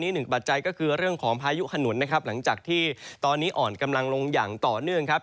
หนึ่งบัจจัยคือเรื่องของพายุขนุนหลังจากที่อ่อนลงต่อเนื่อง